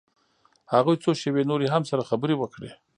هغوى څو شېبې نورې هم سره خبرې وکړې.